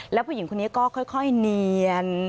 แล้วผู้หญิงคนนี้ก็ค่อยเนียน